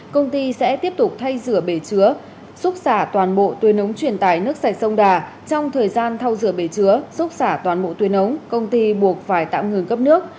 công ty sẽ tiếp tục thay rửa bể chứa xúc xả toàn bộ tuyên ống truyền tải nước sạch sông đà trong thời gian thao rửa bể chứa xúc xả toàn bộ tuyên ống công ty buộc phải tạm ngừng cấp nước